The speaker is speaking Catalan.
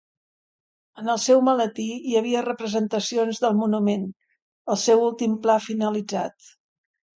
En al seu maletí hi havia representacions del monument, el seu últim pla finalitzat.